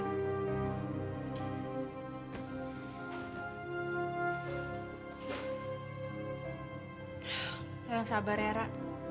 ya yang sabar hera